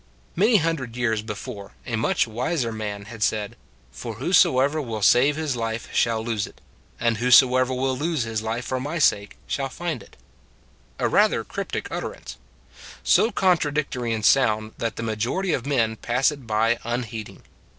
Many hundred years before, a much wiser Man had said: " For whosoever will save his life shall lose it; and whoso 148 It s a Good Old World ever will lose his life for my sake shall find it." A rather cryptic utterance; so contra dictory in sound that the majority of men pass it by unheeding.